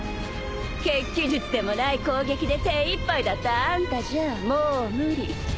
血鬼術でもない攻撃で手いっぱいだったあんたじゃもう無理